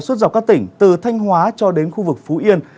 suốt dọc các tỉnh từ thanh hóa cho đến khu vực phú yên